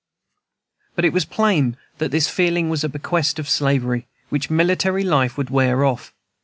But it was plain that this feeling was a bequest of slavery, which military life would wear off.